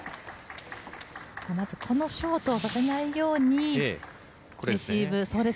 まずこのショートをさせないようにレシーブ。